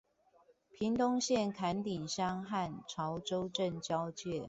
屏東縣崁頂鄉和潮州鎮交界